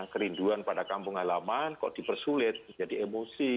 kerinduan pada kampung alaman kok dipersulit menjadi emosi